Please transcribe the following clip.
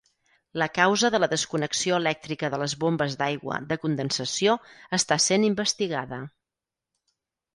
La causa de la desconnexió elèctrica de les bombes d'aigua de condensació està sent investigada.